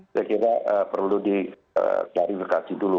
saya kira perlu diklarifikasi dulu